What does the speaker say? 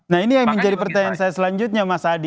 nah ini yang menjadi pertanyaan saya selanjutnya mas adi